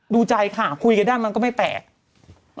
ดูใจค่ะคุยกันได้มันก็ไม่แปลก